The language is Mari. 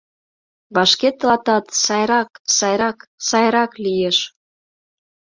— Вашке тылатат сайрак, сайрак, сайрак лиеш».